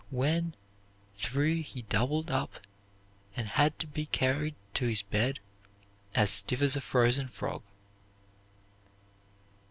When through he doubled up and had to be carried to his bed, "as stiff as a frozen frog."